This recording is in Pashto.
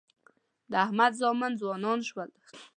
د احمد زامن ځوانان شول.